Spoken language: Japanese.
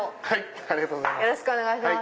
ありがとうございます。